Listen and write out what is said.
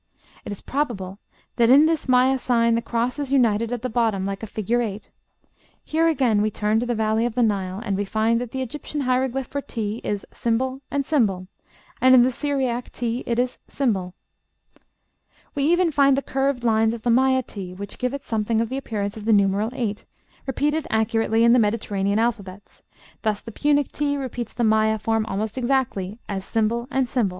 It is probable that in the Maya sign the cross is united at the bottom, like a figure 8. Here again we turn to the valley of the Nile, and we find that the Egyptian hieroglyph for t is ### and ###; and in the Syriac t it is ###. We even find the curved lines of the Maya t which give it something of the appearance of the numeral 8, repeated accurately in the Mediterranean alphabets; thus the Punic t repeats the Maya form almost exactly as ### and ###.